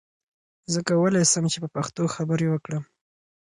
زه کولی سم چې په پښتو خبرې وکړم.